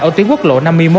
ở tuyến quốc lộ năm mươi một